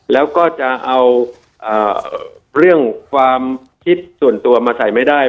แล้วก็จะเอาเรื่องความคิดส่วนตัวมาใส่ไม่ได้